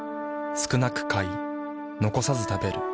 少なく買い残さず食べる。